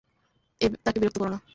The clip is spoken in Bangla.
এই তাকে বিরক্ত করো না।